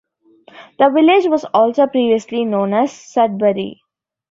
The village was also previously known as "Sudbury".